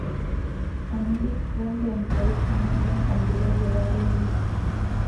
அந்திப் பூந்தென்றல் ஆனந்தம் பொங்கிட விளையாடியது.